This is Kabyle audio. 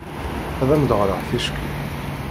Ad am-d-ɣreɣ ticki?